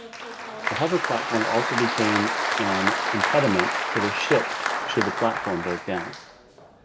The hover platform also became an impediment to the ship should the platform breakdown.